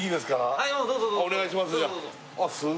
はいどうぞどうぞお願いします